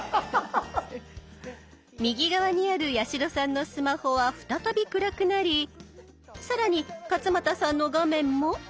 右側にある八代さんのスマホは再び暗くなり更に勝俣さんの画面も。